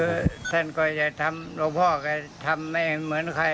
คือท่านก็จะทำหลวงพ่อก็ทำไม่เหมือนใคร